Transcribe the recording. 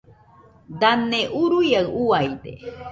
Dane uruaiaɨ uaide.